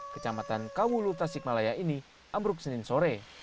kecamatan kawulu tasikmalaya ini ambruk senin sore